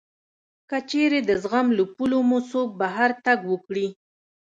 که چېرې د زغم له پولو مو څوک بهر تګ وکړي